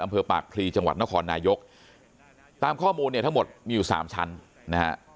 อำเภอปากพลีจังหวัดนครนายกตามข้อมูลเนี่ยทั้งหมดมีอยู่สามชั้นนะฮะ